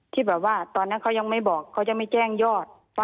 ที่แบบว่าตอนนั้นเขายังไม่บอกเขาจะไม่แจ้งยอด